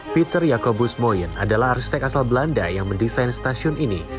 peter yakobus moyen adalah arsitek asal belanda yang mendesain stasiun ini